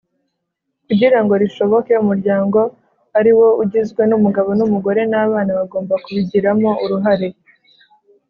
kugira ngo rishoboke, umuryango ari wo ugizwe n’umugabo n’umugore n’abana bagomba kubigiramo uruhare